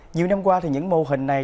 nhiều năm qua thì những mô hình này